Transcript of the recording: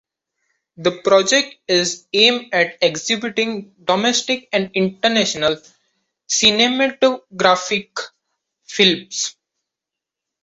The project is aimed at exhibiting domestic and international cinematographic films.